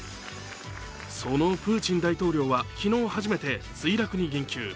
そのプーチン大統領は、昨日初めて墜落に言及。